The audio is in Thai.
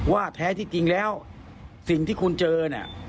แท้ที่จริงแล้วสิ่งที่คุณเจอเนี่ย